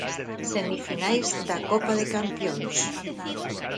Semifinais da copa de campións.